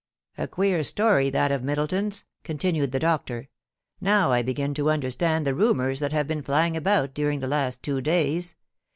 * A queer story that of Middleton's,' continued the doctor. * Now I begin to understand the rumours that have been flying about during the last two days.